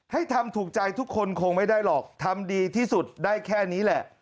ให้ทำถูกใจทุกคนคงไม่ได้หรอกทำดีที่สุดได้แค่นี้แหละ